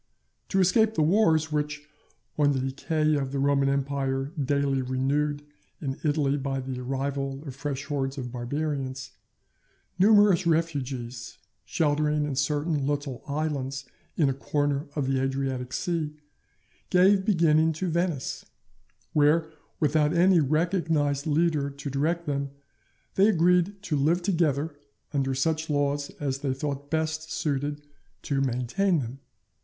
To escape the wars which, on the decay of the Roman Empire daily renewed in Italy by the arrival of fresh hordes of Barbarians, numerous refugees, sheltering in certain little islands in a corner of the Adriatic Sea, gave beginning to Venice; where, without any recognized leader to direct them, they agreed to live together under such laws as they thought best suited to maintain them.